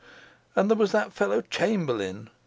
And there was that fellow Chamberlain!